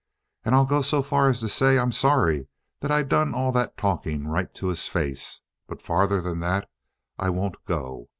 And I'll go so far as to say I'm sorry that I done all that talking right to his face. But farther than that I won't go.